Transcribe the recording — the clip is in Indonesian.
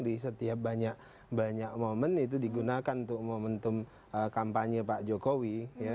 di setiap banyak momen itu digunakan untuk momentum kampanye pak jokowi